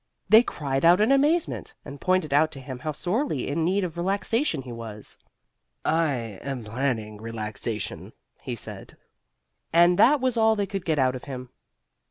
They cried out in amazement, and pointed out to him how sorely in need of relaxation he was. "I am planning relaxation," he said, and that was all they could get out of him.